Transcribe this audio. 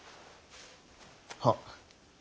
はっ。